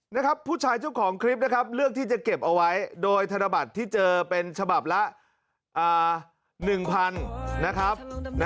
นะครับผู้ชายเจ้าของคลิปนะครับเลือกที่จะเก็บเอาไว้โดยธนบัตรที่เจอเป็นฉบับละ๑๐๐๐นะครับ